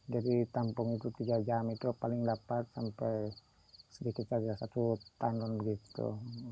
jadi tampung itu tiga jam itu paling dapat sampai sedikit saja satu tanun begitu